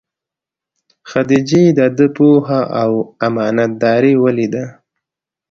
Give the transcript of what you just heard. خدیجې دده پوهه او امانت داري ولیده.